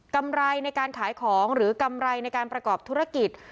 กำไรในการขายของหรือกำไรในการประกอบธุรกิจ